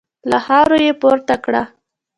له خاورو يې پورته کړه.